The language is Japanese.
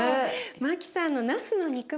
マキさんのなすの肉巻き。